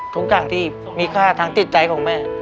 ทุกอย่างที่มีค่าทางจิตใจของแม่